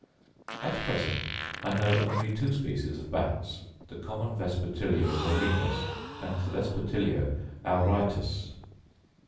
At present I know only two species of bats, the common vespertilio murinus and the vespertilio auritus.